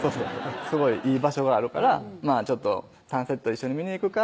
「すごいいい場所があるからサンセット一緒に見に行くか？」